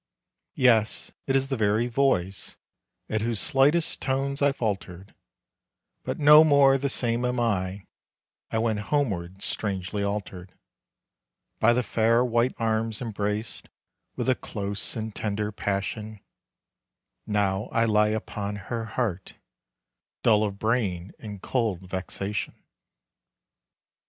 Yes, it is the very voice, At whose slightest tones I faltered But no more the same am I; I wend homeward strangely altered. By the fair white arms embraced With a close and tender passion, Now I lie upon her heart, Dull of brain, in cold vexation.